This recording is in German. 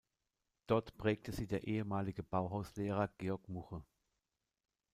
Dort prägte sie der ehemalige Bauhaus-Lehrer Georg Muche.